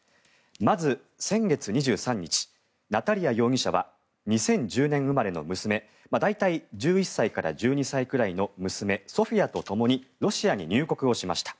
まず、先月２３日ナタリア容疑者は２０１０年生まれの大体１１歳から１２歳くらいの娘ソフィアと共にロシアに入国をしました。